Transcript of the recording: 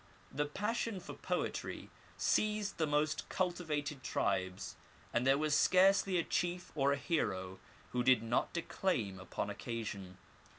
The passion for poetry seized the most cultivated tribes, and there was scarcely a chief or a hero who did not declaim upon occasion.